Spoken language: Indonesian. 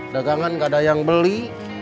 dagangan nggak ada yang beli